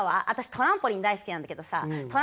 私トランポリン大好きなんだけどさ